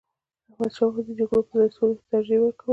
احمدشاه بابا د جګړو پر ځای سولي ته ترجیح ورکوله.